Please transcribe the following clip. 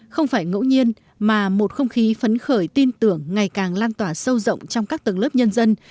không phải ngẫu nhiên mà một không khí phấn khởi tin tưởng ngày càng lan tỏa sâu rộng trong các tầng lớp nhân dân